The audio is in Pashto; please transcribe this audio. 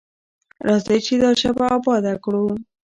راځئ چې دا ژبه اباده کړو.